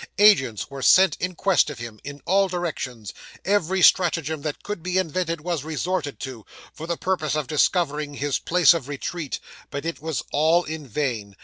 Agents were sent in quest of him, in all directions; every stratagem that could be invented was resorted to, for the purpose of discovering his place of retreat; but it was all in vain.